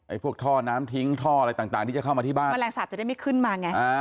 พวกท่อน้ำทิ้งท่ออะไรต่างที่จะเข้ามาที่บ้านแมลงสาปจะได้ไม่ขึ้นมาไงอ่า